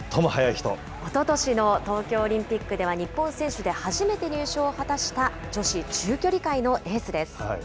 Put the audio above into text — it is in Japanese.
おととしの東京オリンピックでは、日本選手で初めて入賞を果たした、女子中距離界のエースです。